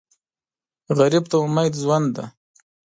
غریب ته امید ژوند دی